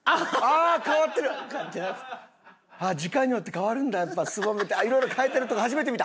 あっ時間によって変わるんだすぼめたりいろいろ変えてるとこ初めて見た。